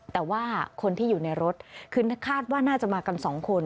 แต่ว่าคนที่อยู่ในรถคือคาดว่าน่าจะมากันสองคน